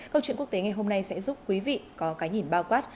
câu chuyện quốc tế ngày hôm nay sẽ giúp quý vị có cái nhìn bao quát